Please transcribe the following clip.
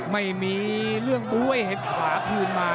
ไม่มีเรื่องบ๊วยเห็ดขวาคืนมา